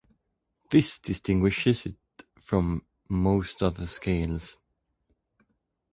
This distinguishes it from most other scales.